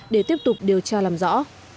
để tiếp tục điều tra làm rõ